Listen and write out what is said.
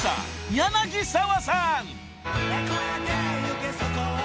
柳沢さん］